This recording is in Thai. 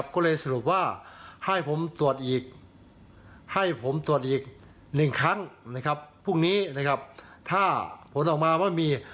ก็เลยสรุปว่าให้ผมตรวจอีก๑ครั้งพรุ่งนี้ถ้าผลออกมาไม่มี